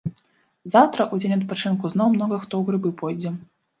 Заўтра, у дзень адпачынку, зноў многа хто ў грыбы пойдзе.